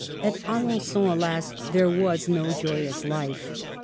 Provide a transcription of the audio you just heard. At Alen^on, alas ! there was no joyous life.